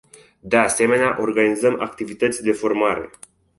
De asemenea, organizăm activități de formare.